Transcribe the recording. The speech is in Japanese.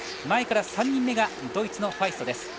前から３人目がドイツのファイスト。